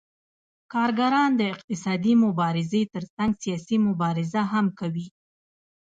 کارګران د اقتصادي مبارزې ترڅنګ سیاسي مبارزه هم کوي